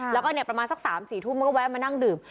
แล้วก็ประมาณสัก๓๔ทุ่มมันก็แวะมานั่งดื่ม